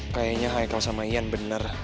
kayaknya haikal sama ian bener